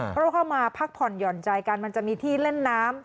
เพราะว่าเข้ามาพักผ่อนหย่อนใจกันมันจะมีที่เล่นน้ำ